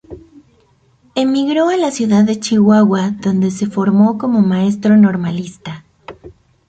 Emigró a la Ciudad de Chihuahua donde se formó como maestro normalista.